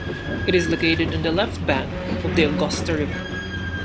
It is located on the left bank of the Ogosta river.